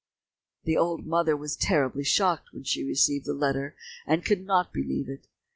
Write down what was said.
The old mother was terribly shocked when she received the letter, and could not believe it.